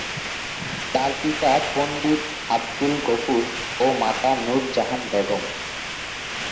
তাঁর পিতা পণ্ডিত আবদুল গফুর ও মাতা নূর জাহান বেগম।